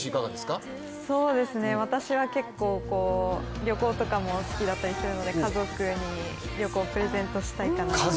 私は結構、旅行とかも好きだったりするので、家族に旅行をプレゼントしたいかなって思ってます。